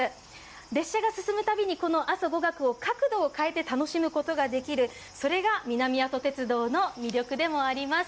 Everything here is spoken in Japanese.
列車が進むたびに、阿蘇五岳を角度を変えて楽しむことができる南阿蘇鉄道の魅力でもあります。